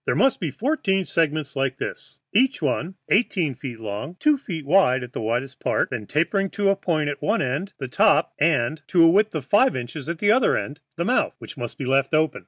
"There must be fourteen segments like this, each one eighteen feet long and two feet wide at the widest part, then tapering to a point at one end, the top, and to a width of five inches at the other end, the mouth, which must be left open.